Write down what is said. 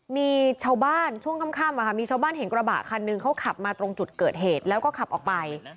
มีชาวบ้านช่วงค่ำมีชาวบ้านเห็นกระบะคันหนึ่งเขาขับมาตรงจุดเกิดเหตุแล้วก็ขับออกไป